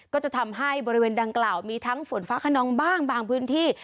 ก็จะทำให้บริเวณดังกล่าวมีทั้งฝนฟ้าขนองบ้างบางพื้นที่